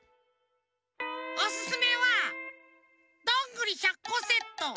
おすすめはどんぐり１００こセット